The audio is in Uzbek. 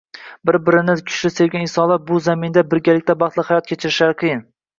Bir-birini kuchli sevgan insonlar bu zaminda birgalikda baxtli hayot kechirishlari qiyin.